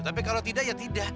tapi kalau tidak ya tidak